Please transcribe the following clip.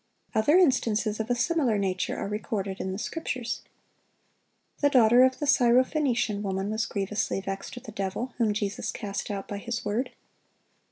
Other instances of a similar nature are recorded in the Scriptures. The daughter of the Syro Phenician woman was grievously vexed with a devil, whom Jesus cast out by His word.